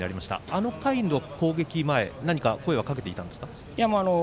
あの回の攻撃前何か、声はかけていたんですか？